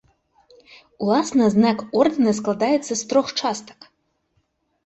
Уласна знак ордэна складаецца з трох частак.